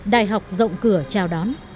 đại học rộng cửa chào đón